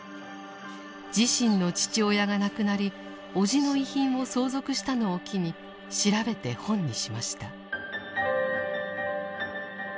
自身の父親が亡くなり叔父の遺品を相続したのを機に調べて本にしました。